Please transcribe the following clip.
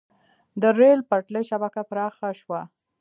د ریل پټلۍ شبکه پراخه شوه.